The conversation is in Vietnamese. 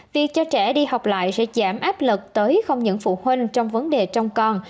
việc cho trẻ đi học lại sẽ giảm áp lực tới không những phụ huynh trong vấn đề trong con